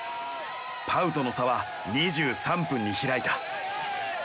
パウとの差は２３分に開いた。